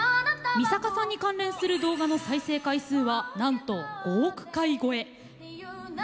三阪さんに関連する動画の再生回数はなんと５億回超え。